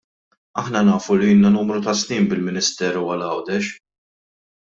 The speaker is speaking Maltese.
Aħna nafu li ilna numru ta' snin bil-Ministeru għal Għawdex.